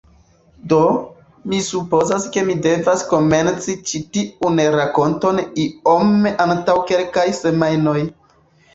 Do, mi supozas ke mi devas komenci ĉi tiun rakonton iom antaŭ kelkaj semajnoj